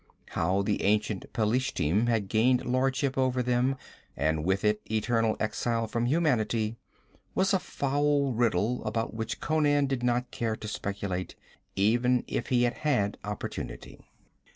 How the ancient Pelishtim had gained lordship over them and with it eternal exile from humanity was a foul riddle about which Conan did not care to speculate, even if he had had opportunity.